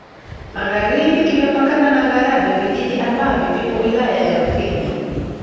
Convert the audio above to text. Magharibi kimepakana na Ngarambe vijiji ambavyo vipo Wilaya ya Rufiji